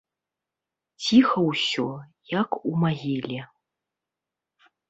Ціха ўсё, як у магіле.